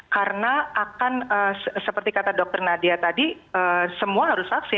karena akan seperti kata dr nadia tadi semua harus vaksin